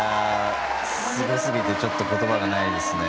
すごすぎてちょっと言葉がないですね。